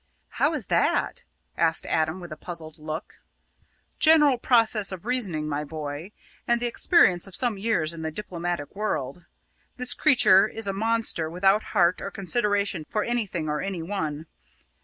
"How is that?" asked Adam with a puzzled look. "General process of reasoning, my boy; and the experience of some years in the diplomatic world. This creature is a monster without heart or consideration for anything or anyone.